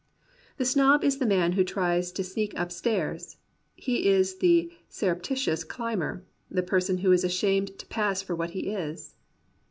The snob is the man who tries to sneak upstairs. He is the surreptitious climhery the person who is ashamed to pass for what he is.